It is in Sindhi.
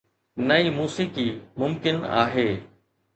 نه ئي موسيقي ممڪن آهي.